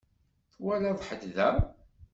Twalaḍ ḥedd da?